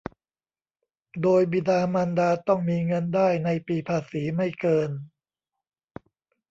โดยบิดามารดาต้องมีเงินได้ในปีภาษีไม่เกิน